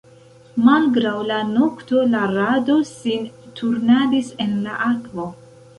Malgraŭ la nokto la rado sin turnadis en la akvo.